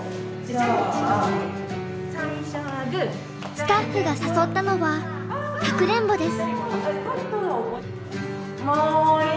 スタッフが誘ったのはかくれんぼです。